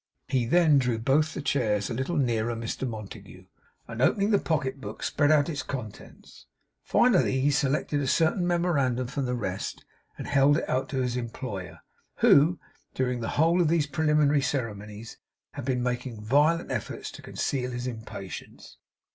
He then drew both the chairs a little nearer Mr Montague, and opening the pocket book spread out its contents. Finally he selected a certain memorandum from the rest, and held it out to his employer, who, during the whole of these preliminary ceremonies, had been making violent efforts to conceal his impatience.